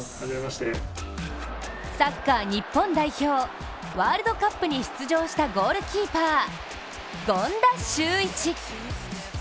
サッカー日本代表、ワールドカップに出場したゴールキーパー・権田修一。